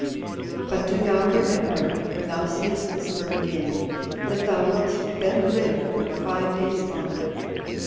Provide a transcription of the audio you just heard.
But do thou remember, when thou seest this bird again, that thou wilt then live but five days longer.